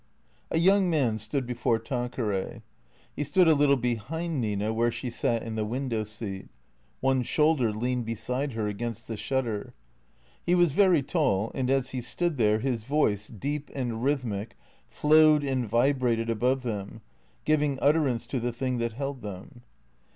A young man stood before Tanqueray. He stood a little be hind Nina where she sat in the window seat. One shoulder leaned beside her against the shutter. He was very tall, and as he stood there his voice, deep and rhythmic, flowed and vibrated above them, giving utterance to the thing that held them.